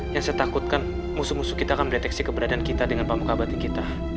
yang saya takutkan musuh musuh kita akan mendeteksi keberadaan kita dengan pemuka batik kita